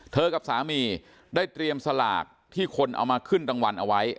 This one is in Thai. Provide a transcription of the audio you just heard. กับสามีได้เตรียมสลากที่คนเอามาขึ้นรางวัลเอาไว้